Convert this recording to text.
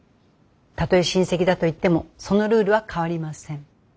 たとえ親戚だといってもそのルールは変わりません。